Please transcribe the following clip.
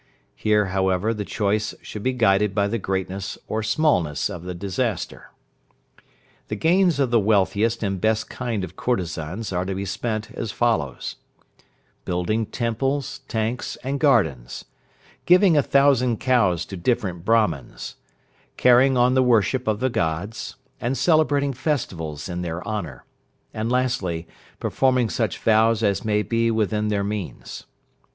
Here, however, the choice should be guided by the greatness or smallness of the disaster. The gains of the wealthiest and best kind of courtesans are to be spent as follows: Building temples, tanks, and gardens; giving a thousand cows to different Brahmans; carrying on the worship of the Gods, and celebrating festivals in their honour; and, lastly, performing such vows as may be within their means.